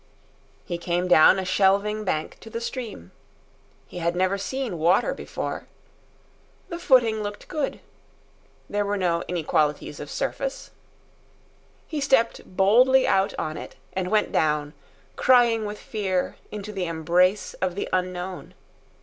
He came down a shelving bank to the stream. He had never seen water before. The footing looked good. There were no inequalities of surface. He stepped boldly out on it; and went down, crying with fear, into the embrace of the unknown.